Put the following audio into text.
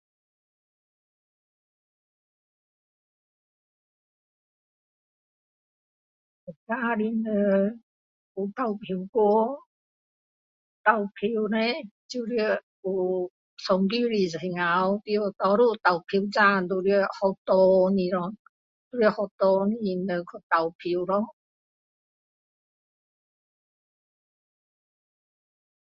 以前的人有投票过投票就要有选举的时候去投票站都要在学校的咯都在学校的人去投票咯